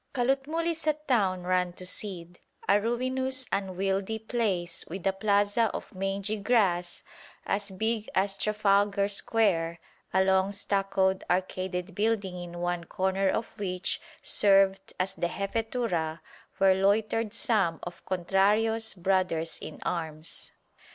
Calotmul is a town run to seed, a ruinous unwieldy place with a plaza of mangy grass as big as Trafalgar Square, a long stuccoed, arcaded building in one corner of which served as the Jefetura where loitered some of Contrario's brothers in arms.